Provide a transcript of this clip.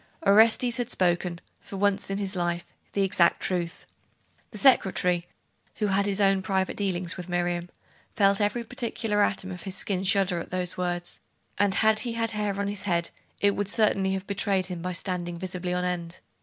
Orestes had spoken, for that once in his life, the exact truth. The secretary, who had his own private dealings with Miriam, felt every particular atom of his skin shudder at those words; and had he had hair on his head, it would certainly have betrayed him by standing visibly on end.